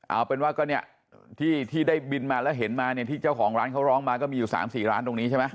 เอาเป็นว่าก็เนี่ยที่ได้บินมาแล้วเห็นมาเนี่ยที่เจ้าของร้านเขาร้องมาก็มีอยู่๓๔ร้านตรงนี้ใช่ไหม